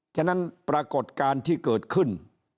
ฉะนั้นปรากฏการณ์ที่เกิดขึ้น